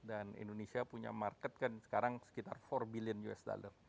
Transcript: dan indonesia punya market kan sekarang sekitar empat billion usd